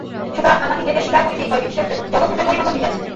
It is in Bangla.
সুতরাং আমাদিগকে স্বীকার করিতেই হইবে, ঈশ্বরই জগৎরূপে পরিণত হইয়াছেন।